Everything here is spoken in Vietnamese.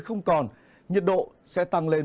không còn nhiệt độ sẽ tăng lên